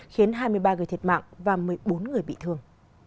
khiến hai mươi ba người thiệt mạng và một mươi bốn người bị thương